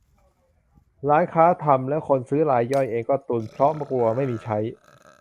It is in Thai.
ร้านค้าทำ และคนซื้อรายย่อยเองก็ตุนเพราะกลัวไม่มีใช้